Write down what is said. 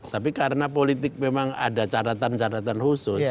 tapi karena politik memang ada caratan caratan khusus